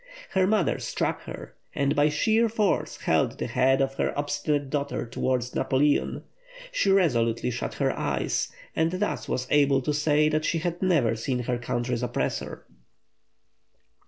Her mother struck her, and by sheer force held the head of her obstinate daughter towards Napoleon. She resolutely shut her eyes, and thus was able to say that she had never seen her country's oppressor.